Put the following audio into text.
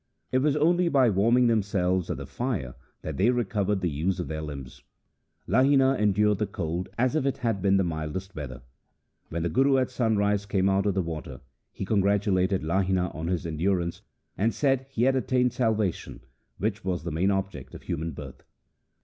It was only by warming themselves at the fire that they recovered the use of their limbs. Lahina endured the cold as if it had been the mildest weather. When the Guru at sunrise came out of the water, he congratulated Lahina on his endurance, and said he had attained salvation, which was the main object of human birth.